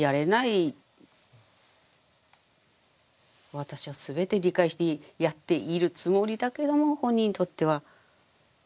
私はすべて理解してやっているつもりだけども本人にとってはまだ